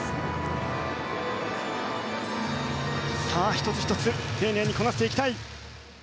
１つ１つ丁寧にこなしていきたい。